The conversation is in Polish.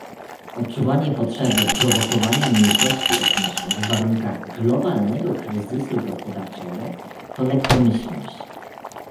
Odczuwanie potrzeby prowokowania mniejszości etnicznych w warunkach globalnego kryzysu gospodarczego to lekkomyślność